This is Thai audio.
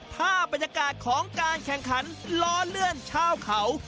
ภาพบรรยากาศของการแข่งขันล้อเลื่อนชาวเขา